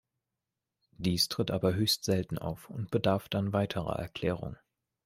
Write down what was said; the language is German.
Dies tritt aber höchst selten auf und bedarf dann weiterer Erklärung.